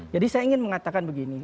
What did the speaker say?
jadi saya ingin mengatakan begini